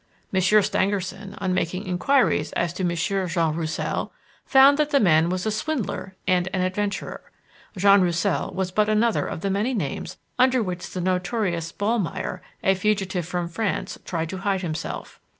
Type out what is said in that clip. Monsieur Stangerson, on making inquiries as to Monsieur Jean Roussel, found that the man was a swindler and an adventurer. Jean Roussel was but another of the many names under which the notorious Ballmeyer, a fugitive from France, tried to hide himself.